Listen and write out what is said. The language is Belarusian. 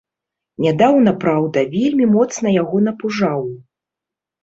Нядаўна, праўда, вельмі моцна яго напужаў.